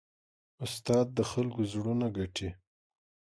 استاد د خلکو زړونه ګټي.